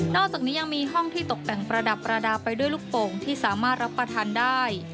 อกจากนี้ยังมีห้องที่ตกแต่งประดับประดาษไปด้วยลูกโป่งที่สามารถรับประทานได้